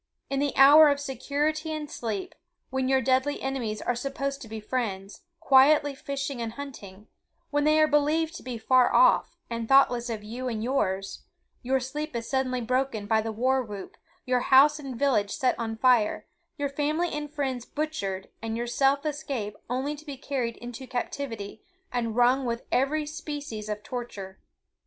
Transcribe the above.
In the hour of security and sleep, when your deadly enemies are supposed to be friends, quietly fishing and hunting—when they are believed to be far off, and thoughtless of you and yours, your sleep is suddenly broken by the war whoop, your house and village set on fire, your family and friends butchered, and yourself escape only to be carried into captivity, and wrung with every species of torture.